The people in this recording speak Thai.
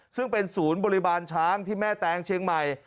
ซึ่งเป็นศูนย์บริบาลช้างที่แม่แตงเชียงใหม่